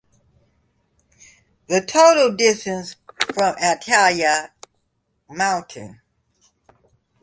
The total distance from Atalaya Mtn.